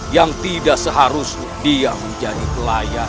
yang tidak seharusnya dia menjadi pelayan